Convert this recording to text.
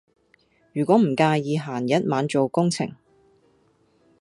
如果唔介意閒日晚做工程